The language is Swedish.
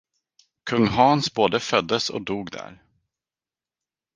Kung Hans både föddes och dog där.